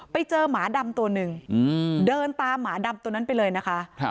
ไปเจอหมาดำตัวหนึ่งเดินตามหมาดำตัวนั้นไปเลยนะคะ